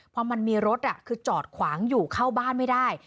พอมันมีรถคือจอดขวางอยู่เข้าบ้านไม่ได้